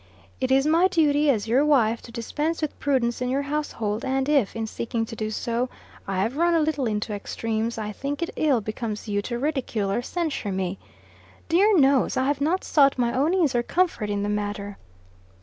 "It is my duty, as your wife, to dispense with prudence in your household; and if, in seeking to do so, I have run a little into extremes, I think it ill becomes you to ridicule or censure me. Dear knows! I have not sought my own ease or comfort in the matter."